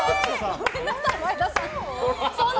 ごめんなさい、前田さん。